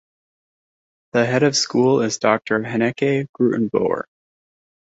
The Head of School is Doctor Hanneke Grootenboer.